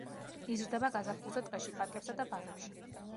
იზრდება გაზაფხულზე ტყეში, პარკებსა და ბაღებში.